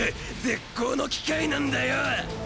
絶好の機会なんだよ！